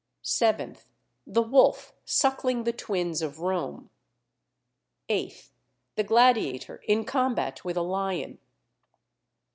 7th. The Wolf suckling the Twins of Rome. 8th. The gladiator in combat with a lion.